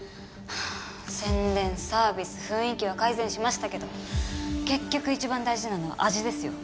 宣伝サービス雰囲気は改善しましたけど結局一番大事なのは味ですよ。